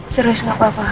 serius gak apa apa